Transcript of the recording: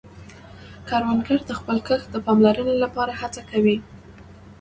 کروندګر د خپل کښت د پاملرنې له پاره هڅه کوي